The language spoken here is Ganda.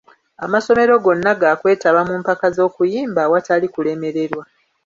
Amasomero gonna ga kwetaba mu mpaka z'okuyimba awatali kulemererwa.